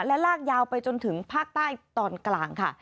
และลากยาวไปจนถึงภาคใต้ตอนกลางค่ะ